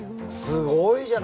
すごいじゃない。